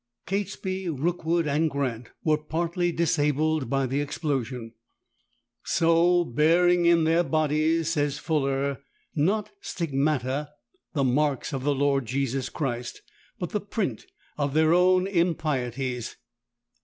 Catesby, Rookwood, and Grant were partly disabled by the explosion, "so bearing in their bodies," says Fuller, "not στιγματα, the marks of the Lord Jesus Christ, but the print of their own impieties."